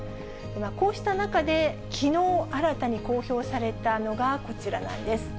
こうした中で、きのう新たに公表されたのがこちらなんです。